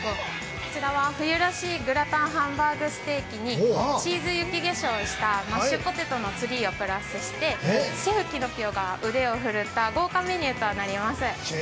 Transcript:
◆こちらは、冬らしいグラタン・ハンバーグステーキにチーズ雪化粧をした、ツリーを飾って、シェフキノピオが腕を振るった豪華メニューとなります。